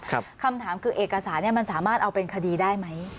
คำถามคือเอกสารเนี่ยมันสามารถเอาเป็นคดีได้ไหม